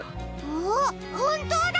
あっほんとうだ！